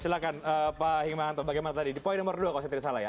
silahkan pak hikmahanto bagaimana tadi di poin nomor dua kalau saya tidak salah ya